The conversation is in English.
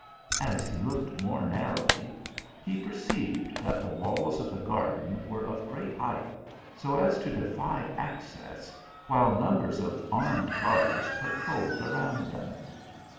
" As he looked more narrowly, he perceived that the walls of the garden were of great height, so as to defy access, while numbers of armed guards patrolled. around them.